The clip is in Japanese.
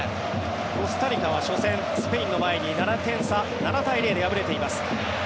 コスタリカは初戦スペインの前に７点差７対０で敗れています。